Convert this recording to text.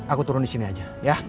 aku turun di sini aja ya